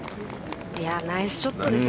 ナイスショットですよ。